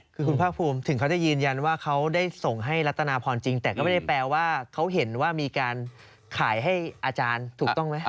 คือคุณภาคภูมิถึงเขาจะยืนยันว่าเขาได้ส่งให้รัตนาพรจริงแต่ก็ไม่ได้แปลว่าเขาเห็นว่ามีการขายให้อาจารย์ถูกต้องไหม